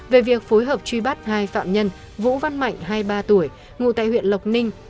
về việc phối hợp truy bắt hai phạm nhân vũ văn mạnh hai mươi ba tuổi ngụ tại huyện lộc ninh